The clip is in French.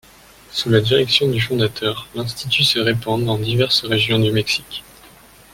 Sous la direction du fondateur, l'institut se répand dans diverses régions du Mexique.